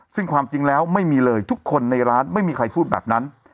ซึ่งความจริงแล้วไม่มีเลยทุกคนในร้านไม่มีใครพูดแบบนั้น